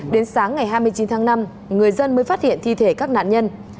đến sáng ngày hai mươi chín tháng năm người dân mới phát hiện thi thể các nạn nhân